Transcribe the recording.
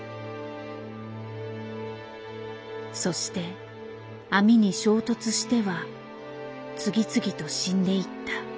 そして網に衝突しては次々と死んでいった。